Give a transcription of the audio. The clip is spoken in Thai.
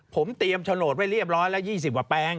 ผมเตรียมโฉนดไว้เรียบร้อยละ๒๐กว่าแปลง